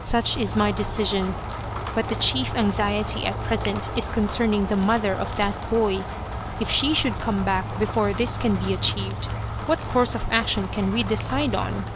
Such is my decision, but the chief anxiety at present is concerning the mother of that boy. If she should come back before this can be achieved, what course of action can we decide on